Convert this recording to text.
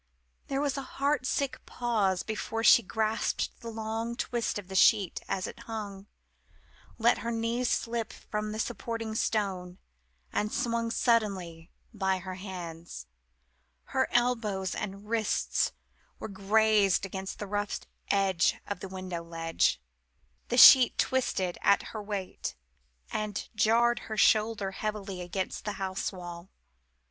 There was a heart sick pause before she grasped the long twist of the sheet as it hung let her knees slip from the supporting stone and swung suddenly, by her hands. Her elbows and wrists were grazed against the rough edge of the window ledge the sheet twisted at her weight, and jarred her shoulder heavily against the house wall.